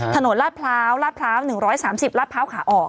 ลาดพร้าวลาดพร้าว๑๓๐ลาดพร้าวขาออก